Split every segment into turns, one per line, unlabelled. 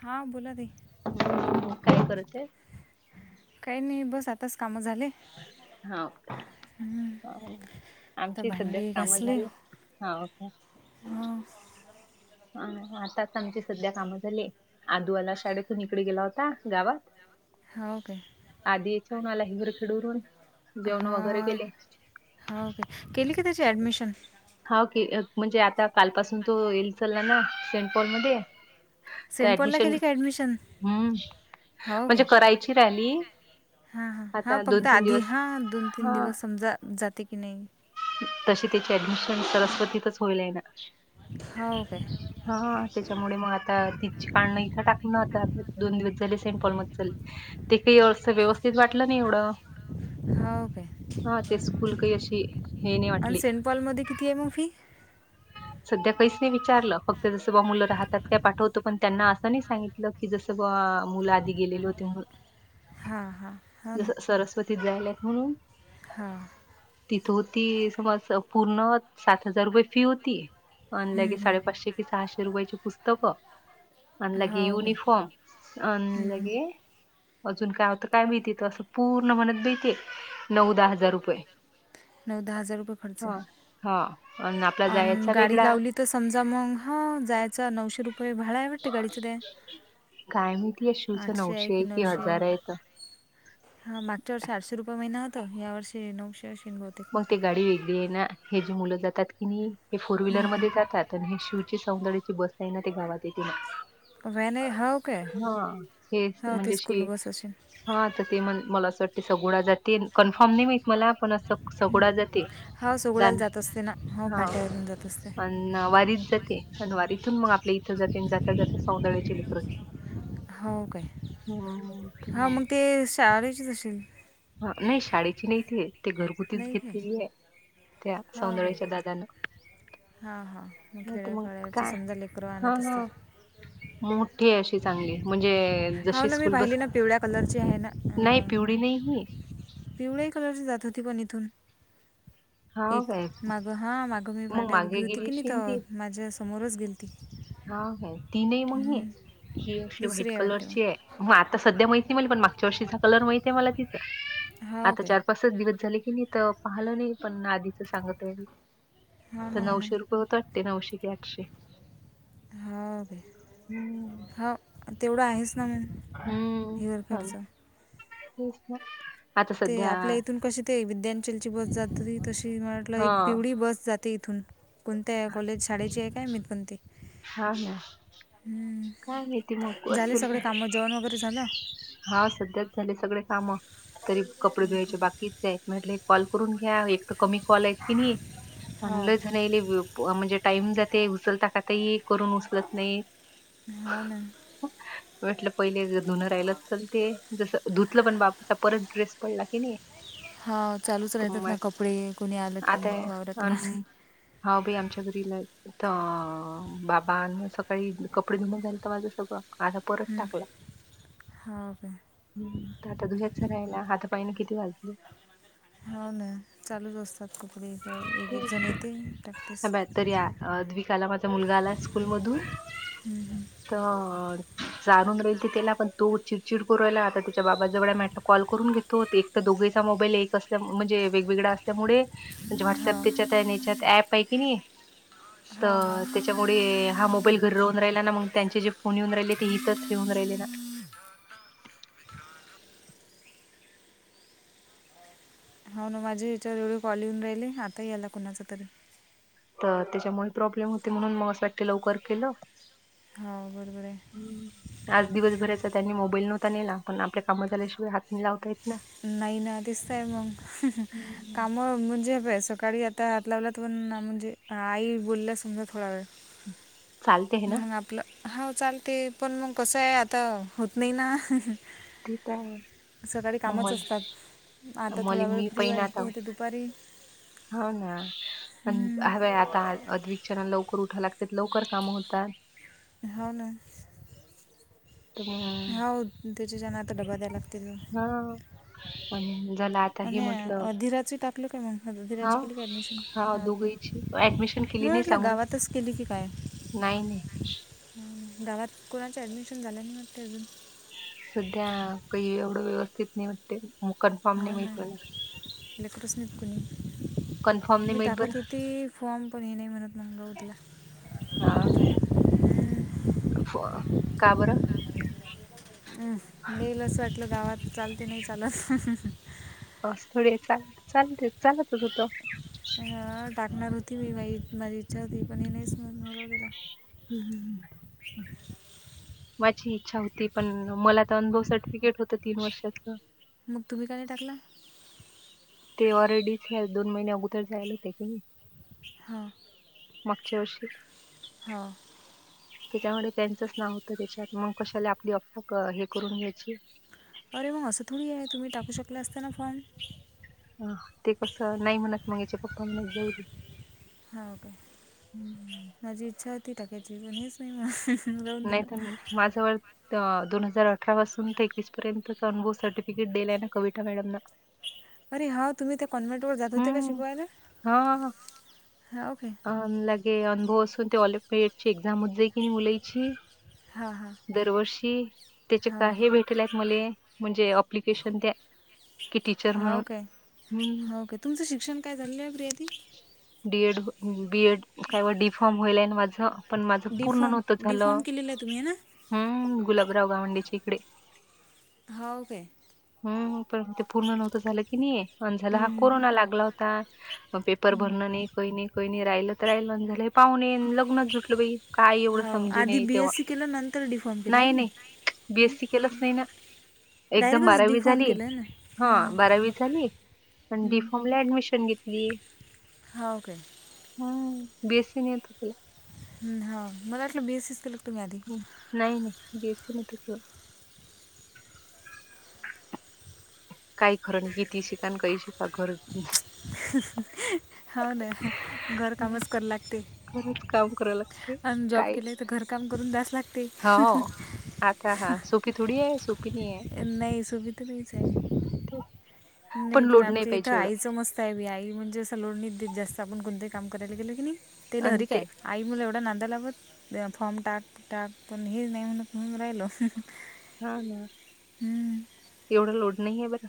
हा बोला ताई.
काय करूच?
काही नाही बस आताच कामं झाले.
हाव.
आता
आमची सध्या
भांडी
कामं
घासले
झाली, हाव. [inaudible]
हा
हा आताच आमची सध्या कामं झाली, आदूवाला शाळेतून इकडे गेला होता गावात.
हाव का.
कोन आला हिगर खेडूरून.
हा, हाव का केली की त्याची ऍडमिशन.
हो की म्हणजे आता कालपासून तो येईल चचाल ना ना सेंट पॉल मध्ये तर
सेंट पॉलला
ऍडमिशन
केली का ॲडमिशन
हम् म्हणजे करायची रॅली
हा हा हा फक्त आधी हा दोन तीन
हा
दिवस समजा जाते की नाही
तशी त्याची ऍडमिशन सरस्वतीतच होईल आहे ना
हा ओके
हा त्याच्यामुळे मग आता ति कां इथं टाकण आताता दोन दिवस झाले सेंट पॉल म ते काही असं व्यवस्थित वाटलं नाही एवढ
हा ओके
हा ते स्कूल काही अशी हे नाही
आणि
वाटली
सेंट पॉलमध्ये किती आहे मग फी
सध्या काहीच नाही विचारलं फक्त जसं बालं राहतात काय पाठवतो पण त्यांना असं नाही सांगितलं की जस मुलं आधी गेलेले होते
हां हां हो ना
जस सरस्वतीत जायला म्हणून
हा
ती समज पूर्ण सात हजार रुपये फी होती आणि लगे साडेपाचशे कि सहाशे वयची पुस्तकं आणि लगे
हा ओके हम्म,
युनिफॉर्म आणि
हम्म.
लगे अजून काय आत काय मिळती त असं पूर्ण म्हणत भळते नऊ दहा हजार रुपये
नऊ दहा हजार रुपये खर्च
अ आपला जाय
आणि गाडी लावली तर समजा मग ह जायचं नऊशे रुपये भाड आहे वाटते गाडीचं ते
काय मती या शूच नऊशे आहे कि हजार आहे
हा मागच्या वर्षी आठशे रुपये महिना होत या वर्षी नऊशे असेल बहुतेक
मग ते गाडी वेगळी आहे ना हे जे मुलं जातात की नाही हे फोर
हं, हं.
व्हीलरमध्येध्ये जातात आणि हे शिवची सौंदर्याची बस आहे ना ते गावात येेते ना
व्हॅन आहे हो काय
हा हे
हो ती
म्हणजे
स्कूल
श
बस असेल
हा तर ते मण मला असं वाट सगोळा जाते कन्फर्म नाही माह मला पण असं सगोळा जाते
हो
द
सोगळ्याला जात असते ना हो
हा
फाट्यावरून जात असते
वारीच जाते अनवारी इथून मग आपल्या इथं जाते जात जात सौदळ्याचे ललेकरते
हो काय हा मग ते शाचेच असशील
ह नाही शाडीी चिनथे ते घरगुतीच
नाही काय
घेतलेली आहे त्या सौंदळ्याच्या दादनं
हा हा मग खेळफेळची
काय
समजा लेकर
हा
आणत
हा
असते
मोठी आहे अशी चांगली म्हणजे
हो
जशी
ना मी
स्कूल बस
पाहिली ना पिवळ्या कलरची आहे
नाही पिवडी नाही ही
पिवळा्या कलरची जात होती पण इथून
[inaudible]
एक मागं हा मागं मी
मग
फाट्यावर उभी
मागे
होती की नाही
गेलीशी ती
तर माझ्या समोरच गेल ती
हा काय ती नाही मग
हम्म.
ही अशी व्हाईट
दुसरी आहे वाटते
कलरची आहे मग आता सध्या माहि पण मागच्या वर्षीचा कलर माहितीे मला तिथ
हो
आता
काय
चार पाचच दिवस झाले क नाही तर पाहिलं नाही पण आधीच सांगत आहे मी
हो
तर
ना हो ना
नऊशे रुपये होत वाटते नऊशे एकठशे
हो ह तेवढं आहेस हेिअर खचं
तस ना आता
ते
सध्या
आपल्या इथून कशी ते विद्यांचलची बस जाती तशी म्हटलं
हा
एक पिवळी बस जात ते इथून कोणत्या आहे कॉलेज शाळेची आहे काय मी कोणते
हा हा
झाले सगळे काम जेवण वगैरे झालं
हा सध्याच झाले सगळे काम तरी कपडे धुवायचे बाकीचे आहेत म्हटले कॉल करून घ्या एक तर कमी कॉल आहेत की नाही
हो
लणले म्हणजे टाईम जाते उचलता काातही करून उचलत नाही
हो ना
म्हटलं पहिले धुनं राहिलंच चचालते जसं धुतलं पण बापचा परत ड्रेस पडला की नाही.
हा चालूच
तर मग
राहतात ना
म्हटलं
कपडे कोणी आलं की वावरातून आले.
हा भाई आमच्या घरी ला आहे. अ बाब सकाळी कपडे धुऊून जाल तर माझं सगळं. आता परत
हं.
टाकलं..
हो काय
हम्म तर आता दुहे्यातच रायला हातापायन किती वाजलं.
हो ना चालूच असतात. कपडे इकडे एक एक जण येते टाकतेस
ब तर या द्विकाला माझा मुलगा आला स्कूल मधून.
हं, हं.
तर जाणून राहील त त्याला पण तो चिडचिड करू राहिला आता त त्याच्या बाबाजवळ मा कॉल करून घेतो एक. दोघेचा मोबाईल एक असल्या म्हणजे वेगवेगळा असल्यामुळे. म्हणजे व्हॉटसअप
हो
त्याच्यात आहे त्याच्यात ऍप आहे की नाही
हा हा
तर त्याच्यामुळे हा मोबाईल. घर राहन राहिला ना मग त्यांचे जे फोन येऊन राहिले ते इथच हेऊन राहिले ना.
हो ना माझे याच्यावर वेळी कॉल येऊन राहिले आता याला कुणाचा तरी.
तर त्याच्यामुळे प्रॉब्लेम होते म्हणून मग असं लवकर केलं.
हो बरोबर आहे.
आज दिवस भरायचा त्यांनी मोबाईल नव्हता नेला पण आपल्या काम झाल्याशिवाय हात नि लावताय.
नाही ना दिसत आहे मग काम म्हणजे सकाळी आता लावला तर पण म्हणजे आई बोलल्या समजा थोडा वेळ.
चालते हे ना
मग आपलं. हो चालते पण मग कसं आहे आता होत नाही ना.
त तर
सकाळी कामच
ममल
असतात आता
मली
थोडा वेळ
मी
फ्री
पहिन
वाटत
आता.
होते दुपारी
हो ना
हम्म.
ह आता अधिक लवकर उठा लागतात लवकर काम होतात.
घ भावना.
हम्म
त्याु जनना आताडबा त्याला
हां पण
आणि अधीराची टाकल काय मग
हा
अधीराची केली का ऍडमिशन. हा ओके.
दोघीची ऍडमिशन
म
केली नाही
म्हटलं
सांगून
गावातच केली की काय.
नाही नाही
हम्म. गावात कोणाचं ॲमिशन झालं आणि मग ते अजून.
सध्या काही एवढं व्यवस्थित नाही वाटते. कन्फर्म
ह
नाही
म
माहित मला
ललेख रसनीत कून
कन्फर्म नाही
मी
माहित बरं
टाकत होती फॉर्म पण हे नाही म्हणत मगलं हो तुला.
हा का का बरं
अम देेईल अस वाटल गावात चालते नाही चालत.
बस थोडी चालते चालतच होतो.
पण, अं, टाकणार होती मी माही माझी इच्छा होती पण नाही स्म मि तिला
माझी इच्छा होती पण मला तर अनुभव सर्टिफिकेट होत तीन वर्षाच.
मग तुम्ही काय टकला.
ते ऑलरेडीच दोन महिनेया अगोदर जायला होते की नाही.
हां
मागच्या वर्षी
हो
त्याच्यामुळे त्यांचच नाव होतं त्याच्यात मग कशाला आपली अफ हे करून घ्यायची.
अरे मग असं थोडी आहे तुम्ही टाकू शकले असता ना फॉर्म.
अ ते कसं नाही म्हणत मग याच्या पप्पा म जाईल.
हा ओके माझी इच्छा होती टाक्यायची पणीच नाही म
नाही तर माझ्यावर... दोन हजार अठरा पासून तर एकवीस पर्यंतचा अनुभव सर्टिफिकेट दिलाय ना कविता मॅडमला...
अरे हा तुम्ही त्या कॉनव्हेट वर जात होते का शिकवायला... हा ओके
अ लागे... ते ऑलिपिट ची एक्झाम हो जा की नाही मुलायची...
हां हां
दरवर्षी त्याचे
हां
काही भेटल आहेत मले... म्हणजे अप्लिकेशन द्या की टीचर
हा
म्हणून
ओके
ह...
हा ओके तुमचं शिक्षण काय झालेलं आहे प्रियाती
डीएड बीएड काय डीफॉर्म होईलय माझ.. पण माझ
डी
पूर्ण नव्हत
फॉर्म डी
झालं
फॉर्म केलेलं आहे तुम्ही है ना
हम गुलाबराव गा.. च्या इकडे...
भाव काे...
हम पण ते पूर्ण नव्हतं झालं की नाही अ झाला हा
हम्म
कोरोना लागला होता... मग पेपर भरणं
हम्म
नाही कोही नाही कोही नाही राहिलं तर राहिलं झालं पाहून ये लग्नच झुटलं बाई... काय एवढं...
हाव
ज
आधी बी एस
तेव्हा
सी केलं नंतर डी फार्म केलं आहे
नाही
की
नाही बीएससी केलाच नाही ना.... एकदम
डायरेक्टच डी
बारावी
फार्म
झाली
केलं आहे ना
हा
हां हां
बारावी झाली पण डीफॉम ला ऍडमिशन ली..
ओके...
हम् बेसी न येतो तला...
ह हा मलालं बीसस...
नाही नाही बीसी मध्ये ग.. काही खरं नाही किती शिकान काही शिका घर...
हव ना घर कामच करा लागते....
खरंच काम कराव लागते
आणि जॉब
काय
केले तर घरकाम करून दयास लागते.
हो आता हा सोफी थोडी आहे सो..
नाही सुविधा नाहीच
ते.
आय.... नाही पण
लोड
आमच्या इथं
पाहिजे एवढं
आईच मस्त आहे बी आई म्हणजे... लोणी जास्त आपण कोणते काम करायला गेल कणी ते लहरिक आय आई मुला एवढा... त्यालावत फॉर्म टाक टाक पण हे नाही म्हणत म्हणून राहिलो....
हा ना
हम्म,
एवढा लोड नाही आहे बरं...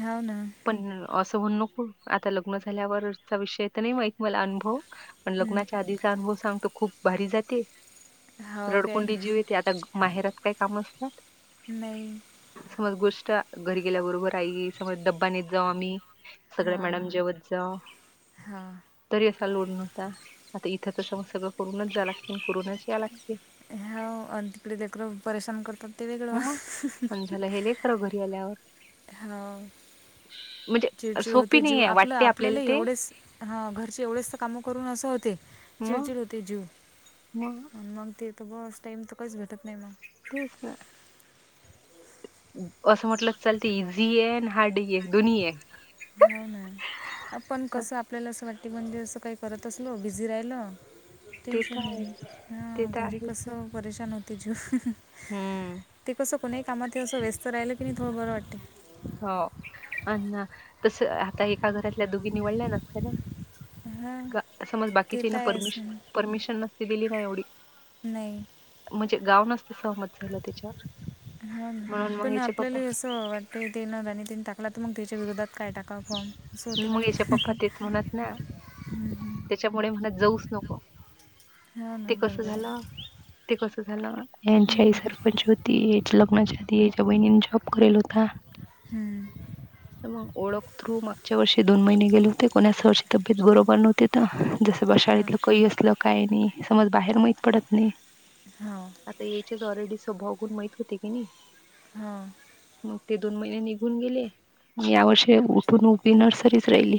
हाव ना....
पण असं म्हणू नको आता लग्न झाल्यावरचा विषय तर नाही माहित मला अनुभव पण
हम्म,
लग्नाच्या आधीचा अनुभव सांगतो खूप भारी जाते.
हो काय
रडकुंडी जीव येते. आता माहेरात काय काम असत्यात?
नई....
समज गोष्ट घरी गेल्याबरोबर आई समज डबा नेत जाऊ आम्ही... सगळ
हो
मॅडम
हो
जेवत जा.
हो
तरी अस... लोड नव्हता. आता इथं तर सम सगळं करूनच जाय लागत करूनच.... या लागते
ह्याव आन तिकडे लेकरं परेशान करतात... ते वेगळं....
मग आणि झालं हे लय खरं घरी आल्यावर
हाव...
म्हणजे
चिडचिड
सोपी
होते,
नाही
जीव
आहे
आपलं
वाटते
आपल्याला
ते
एवढेस हा घरचे एवढेस काम करून... अस होते
मग
चिडचिड होते जीव. मग ते.... बस टाईम तर काहीच भेटत नाही मग...
तेच का. असं म्हटलं चलती इझी आहे आणि हार्ड डिस्क जुनी आहे दोन्ही हे.
हो ना आपण
हा
कसं आपल्याला असं वाटत.... म्हणजे असं काही करत असलो बिझी राहिल...
ते तर
टेन्शन
आहे ते
नाही
तर
घरी
आहेच ना
कसं परेशान होते जीव....
हम्म
ते कसं कोणीही कामात असं वेस्त राहिलं की नाही थोडं बरं वाटते....
हो अन तस आता एका घरातल्या दोघी निवडल्या नसत्या ना...
हां
ग समज
ते
बाकीच्या
तर
ना
आहेच
परमिश
म्हणा
परमिशन नसती दिली नाही, एवढी
नाही
म्हणजे गाव नसत सहमत झालं त्याच्यावर.
हाव ना.
म्हणून मग
पण
याचे
आपल्याला
पप्पा
असं वाटतं ते न गणीतीन टाकला तर मग त्याच्या विरोधात काही टाका फॉर्म अस होते ना
मग याचे
ते,
पप्पा तेच म्हणत ना त्याच्यामुळे म्हणत जाऊच नको
हो
ते
ना
कस
बरोबर
झालं
आहे
ते कस झाल यांची आई
हम्म,
सरपंच होती, याच्या लग्नाच्या आधी याच्या बहिणीने जॉब केेरेल होता.
हम्म.
ओळख थ्रू मागच्या वर्षी दोन महिने गेले होते, कोणाच्या वर्षी तब्येत बरोबर नव्हती त जसं बा
हो
शाळेतलं कही असलं काय नई समज बाहेर माहीत पडत नई.
हो
आता याच्याच ऑलरेडी स्वभाव गुण माहीत होते की नाही.
ह!
मग ते दोन महिने निघून गेले, मी या वर्षी उठून उभी नर्सरीच राहिली.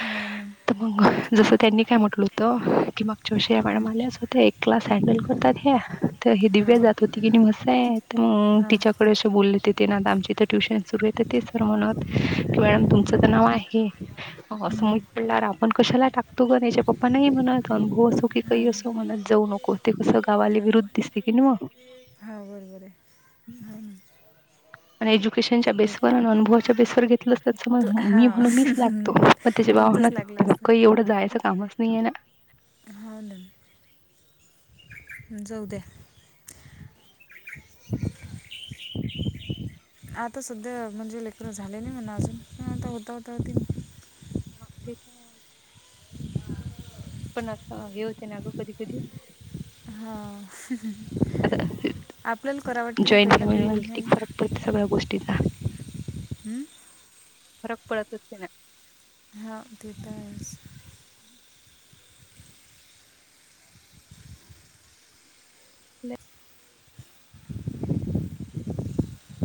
हो ना
तर मग जसं त्यांनी काय म्हटलं होत की मग जोशीया
हम्म.
मॅडम आल्या अस होत एक क्लास हँडल करतात ह्या तर हे
हो
दिव्या जात होती की नाही बासाय आहे, अ
हो
तिच्याकडे असं बोललेे ते ना आता आमच्या इथं ट्युशन सुरू येते. तर म्हणत मॅडम तुमचं तर नाव आहे असं
हम्म.
माहीत पडला. पण कशाला टाकतो ग त्याच्या पप्पा नाही म्हणत, अनुभव असो की
हो
काही असो म्हणत जाऊ नक को ते कसं गावाला विरुद्ध दिसते की नाही
हो बरोबर आहे
म.
हो ना
आणि एज्युकेशनच्या
एक
बेसवर आणि अनुभवाच्या बेसवर घेतल असत.
तू हा
मी म्हणून मीस लागतो मग त्याच्या बाबा
तुमचंच लागलं
म्हना काही एवढं जायचं कामच नाहीये ना!
होन!
[unintelligible]
जाऊद्या. आता सध्या म्हणजे लेकरन झाले नाही म्हला अजून. मता हताव हतव तं,
हा तेच, पण असं हे होते ना ग कधी- कधी
हा!
आता
आपल्याला करा वाटते ना
जॉईंट
काही ना
फॅमिली
काही
मठीक फरक पडत सगळ्या गोष्टीचा,
हम्म!
फरक पडत असते ना!
हा ते तर आहेच.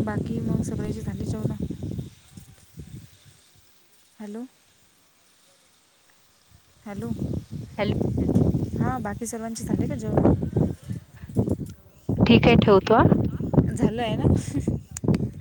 बाकी मग सगळेची झालीली चोवला. हॅलो! हॅलो!
हॅलो
हा बाकी बाकी सर्वांचे झाले का जेवन.
ठीक आहे ठेवतो आ.
झालं आहे ना?